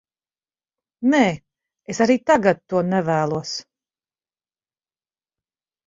Nē, es arī tagad to nevēlos.